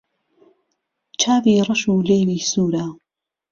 چاوی رەش و لێوی سوورە